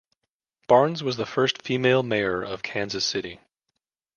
Barnes was the first female mayor of Kansas City.